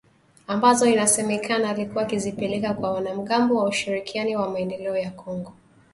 Ambazo inasemekana alikuwa akizipeleka kwa wanamgambo wa Ushirikiani kwa Maendeleo ya kongo katika mkoa wa Kobu.